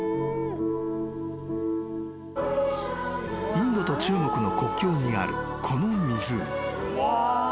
［インドと中国の国境にあるこの湖］